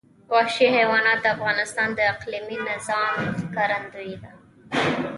وحشي حیوانات د افغانستان د اقلیمي نظام ښکارندوی ده.